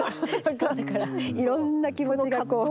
だからいろんな気持ちがこう。